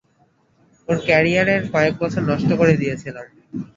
ওর ক্যারিয়ারের কয়েকবছর নষ্ট করে দিয়েছিলাম।